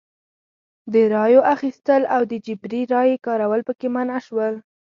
د رایو اخیستل او د جبري رایې کارول پکې منع شول.